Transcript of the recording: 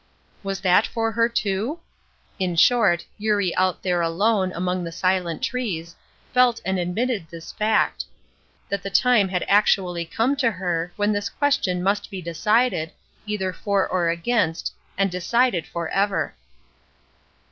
Was that for her, too? In short, Eurie out there alone, among the silent trees, felt and admitted this fact: that the time had actually come to her when this question must be decided, either for or against, and decided forever.